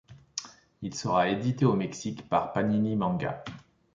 Il sera édité au Mexique par Panini Manga.